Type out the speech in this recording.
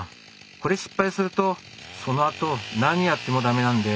これ失敗するとそのあと何やってもダメなんで。